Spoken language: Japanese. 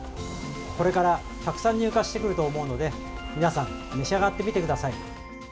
これからたくさん入荷してくると思うので皆さん召し上がってみてください。